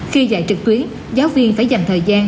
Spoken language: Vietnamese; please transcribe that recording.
khi dạy trực tuyến giáo viên phải dành thời gian